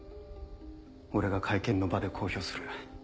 俺が会見の場で公表する。